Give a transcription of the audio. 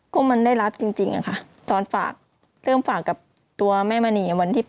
ก็มันได้รับจริงอะค่ะตอนฝากเริ่มฝากกับตัวแม่มณีวันที่๘